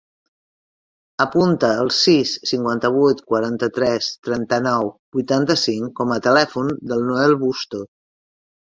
Apunta el sis, cinquanta-vuit, quaranta-tres, trenta-nou, vuitanta-cinc com a telèfon del Noel Busto.